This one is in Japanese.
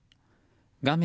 画面